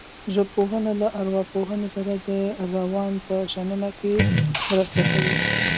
ژبپوهنه له ارواپوهنې سره د روان په شننه کې مرسته کوي